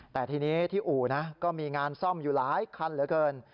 แต่ทีนี้ที่อู่นะก็มีงานซ่อมอยู่หลายคันเหลือเกิน